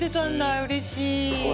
うれしい。